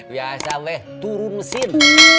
biasa weh turun mesin